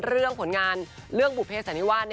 เรื่องผลงานบรุเพศนิวาร์